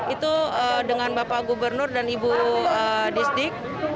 itu dengan bapak gubernur dan ibu distrik